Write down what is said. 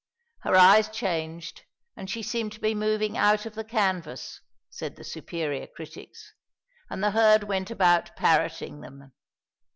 Her eyes changed, and she seemed to be moving out of the canvas, said the superior critics; and the herd went about parroting them.